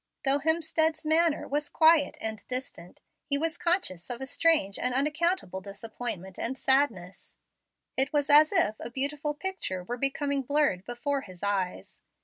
Though Hemstead's manner was quiet and distant, he was conscious of a strange and unaccountable disappointment and sadness. It was as if a beautiful picture were becoming blurred before his eyes.